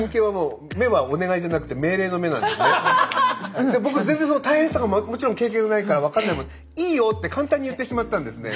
目は僕は全然その大変さがもちろん経験がないから分かんないままいいよって簡単に言ってしまったんですね。